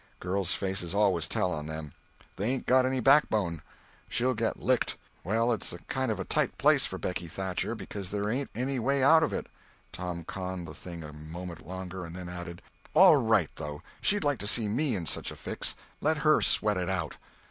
Girls' faces always tell on them. They ain't got any backbone. She'll get licked. Well, it's a kind of a tight place for Becky Thatcher, because there ain't any way out of it." Tom conned the thing a moment longer, and then added: "All right, though; she'd like to see me in just such a fix—let her sweat it out!"